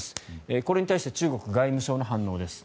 これに対して中国外務省の反応です。